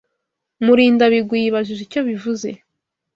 Murindabigwi yibajije icyo bivuze.